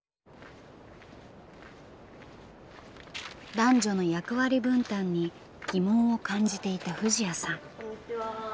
男女の役割分担に疑問を感じていた藤彌さん。